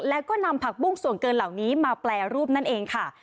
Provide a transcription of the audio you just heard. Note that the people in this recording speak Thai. แล้วก็นำผักบุ้งส่วนเกินเหล่านี้มาแปรรูปนั่นเองค่ะ